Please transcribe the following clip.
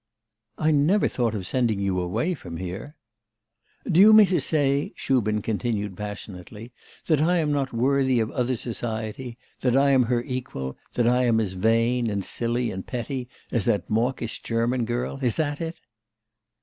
'I never thought of sending you away from here.' 'Do you mean to say,' Shubin continued passionately, 'that I am not worthy of other society, that I am her equal; that I am as vain, and silly and petty as that mawkish German girl? Is that it?